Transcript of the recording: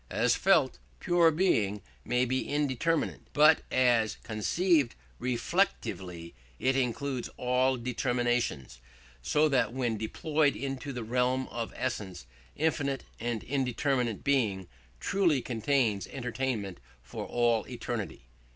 As felt, pure Being may be indeterminate, but as conceived reflectively it includes all determinations: so that when deployed into the realm of essence, infinite or indeterminate Being truly contains entertainment for all eternity.